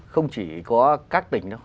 không chỉ có các tỉnh đâu